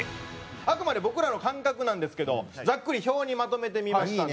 あくまで僕らの感覚なんですけどざっくり表にまとめてみましたので。